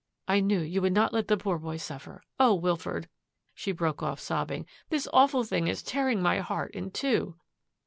" I knew you would not let the poor boy suffer. O Wilfred," she broke off, sobbing, " this awful thing is tearing my heart in two